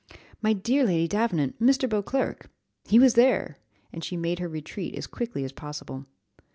"My dear Lady Davenant, Mr. Beauclerc!" He was there! and she made her retreat as quickly as possible.